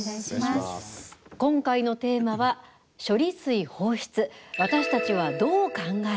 今回のテーマは「処理水放出私たちはどう考える？」。